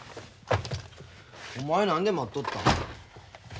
お前何で待っとったんや。